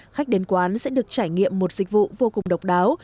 khách đến quán sẽ được trải nghiệm một dịch vụ vô cùng độc đáo